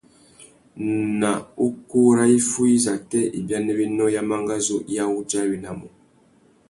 Nà ukú râ iffúh izâtê ibianéwénô ya mangazú i awudjawenamú?